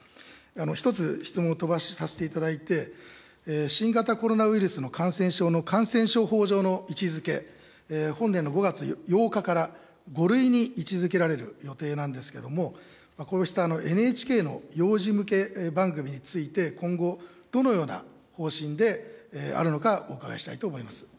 １つ質問を飛ばさせていただいて、新型コロナウイルスの感染症の感染症法上の位置づけ、本年の５月８日から５類に位置づけられる予定なんですけども、こうしたＮＨＫの幼児向け番組について、今後、どのような方針であるのかお伺いしたいと思います。